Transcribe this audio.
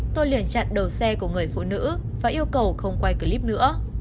tôi liền chặn đầu xe của người phụ nữ và yêu cầu không quay clip nữa